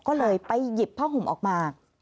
ก็เลยไปหยิบผ้าห่มออกมา